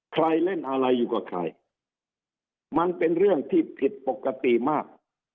ใครเล่นอะไรอยู่กับใครมันเป็นเรื่องที่ผิดปกติมาก